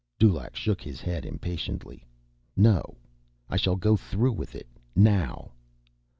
Dulaq shook his head impatiently. "No. I shall go through with it. Now."